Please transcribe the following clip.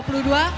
puh dai kristin